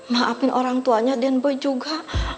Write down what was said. maafin orang tuanya dan boy juga